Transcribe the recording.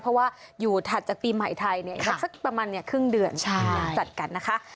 เพราะว่าอยู่ถัดจากปีใหม่ไทยสักประมาณครึ่งเดือนจัดกันนะคะ